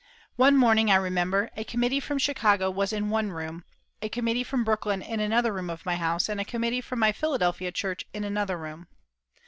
One morning, I remember, a committee from Chicago was in one room, a committee from Brooklyn in another room of my house, and a committee from my Philadelphia church in another room.